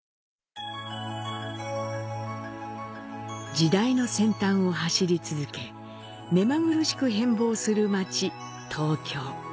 時代の先端を走り続け、目まぐるしく変貌する街、東京。